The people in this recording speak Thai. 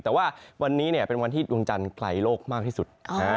แต่ว่าวันนี้เป็นวันที่ดวงจันทร์ไกลโลกมากที่สุด